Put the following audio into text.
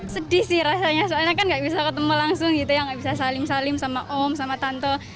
sedih sih rasanya soalnya kan nggak bisa ketemu langsung gitu ya nggak bisa saling salim sama om sama tante